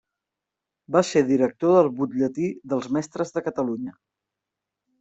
Va ser director del Butlletí dels Mestres de Catalunya.